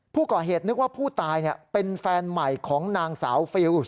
ผู้ก่อเหตุนึกว่าผู้ตายเป็นแฟนใหม่ของนางสาวฟิลล์